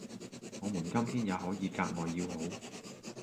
我們今天也可以格外要好，